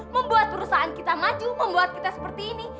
membuat perusahaan kita maju membuat kita seperti ini